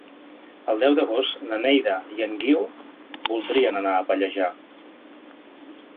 El deu d'agost na Neida i en Guiu voldrien anar a Pallejà.